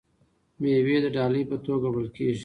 میوې د ډالۍ په توګه وړل کیږي.